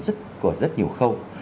rất của rất nhiều khâu